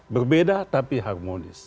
berbeda tapi harmonis